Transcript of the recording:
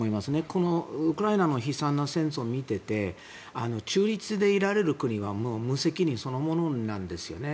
このウクライナの悲惨な戦争を見ていて中立でいられる国は無責任そのものなんですよね。